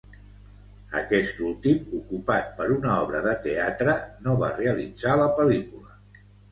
Aquest últim, ocupat per una obra de teatre, no va realitzar la pel·lícula.